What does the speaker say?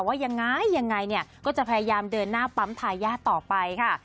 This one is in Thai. ว่ายังไงก็จะพยายามเดินหน้าปั๊มทายาทต่อไปค่ะ